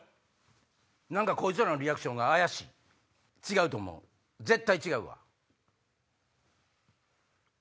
こいつらのリアクションが怪しい違うと思う絶対違うわ。